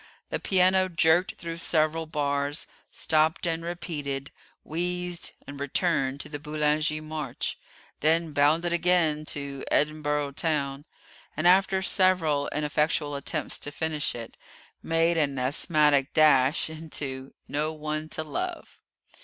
The piano jerked through several bars, stopped and repeated, wheezed and returned to the "Boulanger March," then bounded again to "Edinboro' Town," and, after several ineffectual attempts to finish it, made an asthmatic dash into "No One to Love."